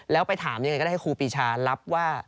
แล้วไปถามยังไงก็ได้ให้ครูปีชารับว่า